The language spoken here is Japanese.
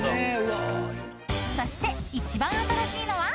［そして一番新しいのは］